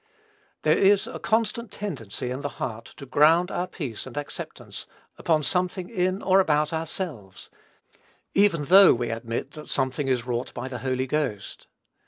There is a constant tendency in the heart to ground our peace and acceptance upon something in or about ourselves, even though we admit that that something is wrought by the Holy Ghost.